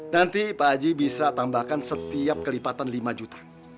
nanti pak haji bisa tambahkan setiap kelipatan lima juta